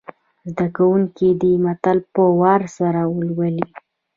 زده کوونکي دې متن په وار سره ولولي.